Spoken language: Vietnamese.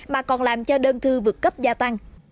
mà còn làm cho đơn thư vượt cấp gia tăng